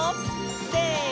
せの！